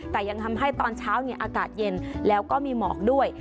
แต่ยังทำให้ตอนเช้าอากาศเย็นแล้วก็มีหมอกด้วย